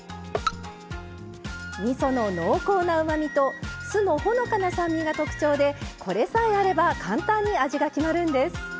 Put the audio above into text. みその濃厚なうまみと酢のほのかな酸味が特徴でこれさえあれば簡単に味が決まるんです。